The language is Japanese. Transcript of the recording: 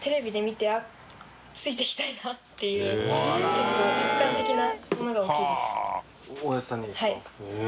結構直感的なものが大きいです。